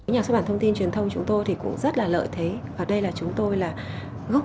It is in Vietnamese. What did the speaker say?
nhà xuất bản thông tin truyền thông chúng tôi thì cũng rất là lợi thế và đây là chúng tôi là góp